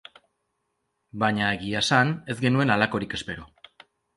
Baina, egia esan, ez genuen halakorik espero.